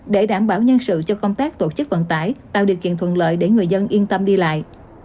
để đảm bảo nhân sự cho công tác tổ chức vận tải tạo điều kiện thuận lợi để người dân yên tâm đi lại